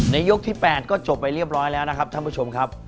ยกที่๘ก็จบไปเรียบร้อยแล้วนะครับท่านผู้ชมครับ